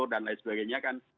dan lain sebagainya